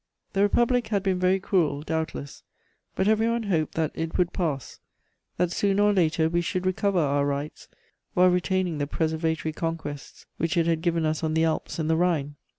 The Republic had been very cruel, doubtless, but every one hoped that it would pass, that sooner or later we should recover our rights, while retaining the preservatory conquests which it had given us on the Alps and the Rhine.